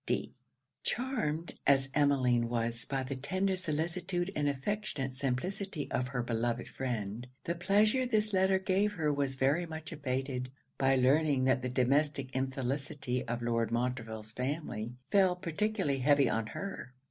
D.' Charmed as Emmeline was by the tender solicitude and affectionate simplicity of her beloved friend, the pleasure this letter gave her was very much abated by learning that the domestic infelicity of Lord Montreville's family fell particularly heavy on her.